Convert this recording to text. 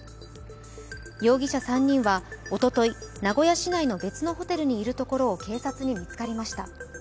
容疑者３人はおととい、名古屋市内の別のホテルにいるところを警察に見つかりました。